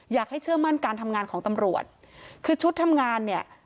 เชื่อมั่นการทำงานของตำรวจคือชุดทำงานเนี่ย